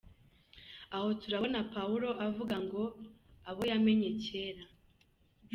Aha turabona Pawulo avuga ngo: “Abo yamenye kera”.